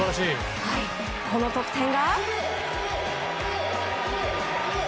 この得点が。